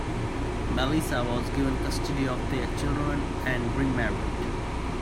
Melissa was given custody of their children and remarried.